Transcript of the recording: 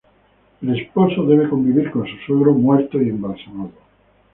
El esposo debe convivir con su suegro muerto y embalsamado.